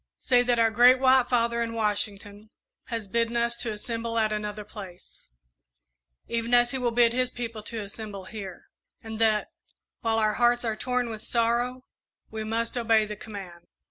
"Say that our Great White Father in Washington has bidden us to assemble at another place, even as he will bid his people to assemble here, and that, while our hearts are torn with sorrow, we must obey the command.